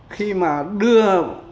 khi mà đưa